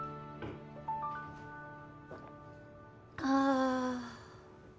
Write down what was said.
ああ。